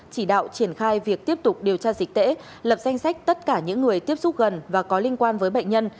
chỉ đạo triển khai việc tiếp tục điều tra dịch tễ lập danh sách tất cả những người tiếp xúc gần và có liên quan với bệnh nhân